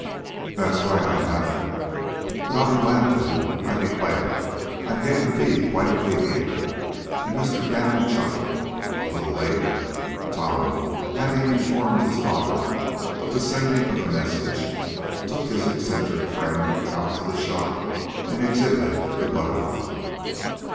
"That's right, I haven't, but I'd be glad to. I declare, I'm getting to be quite an aviator," and Mr. Damon chuckled. A little later, Tom, having informed his father of the sending of the message, took his eccentric friend out to the shop, and exhibited the BUTTERFLY.